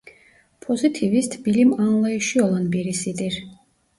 Pozitivist bilim anlayışı olan birisidir.